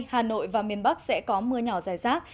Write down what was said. hà nội và miền bắc sẽ có mưa nhỏ dài rác